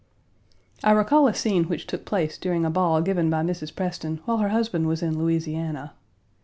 I recall a scene which took place during a ball given by Mrs. Preston while her husband was in Louisiana.